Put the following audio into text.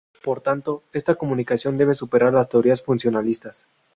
Por tanto esta comunicación debe superar las teorías funcionalistas.